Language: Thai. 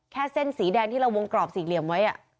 เส้นสีแดงที่เราวงกรอบสี่เหลี่ยมไว้